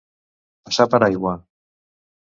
Passar per aigua.